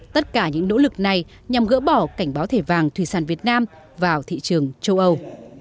tất cả những nỗ lực này nhằm gỡ bỏ cảnh báo thẻ vàng thủy sản việt nam vào thị trường châu âu